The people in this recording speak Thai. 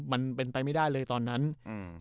มันเป็นไปไม่ได้เลยตอนนั้นอืม